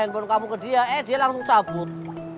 handphone kamu ke dia eh dia langsung cabut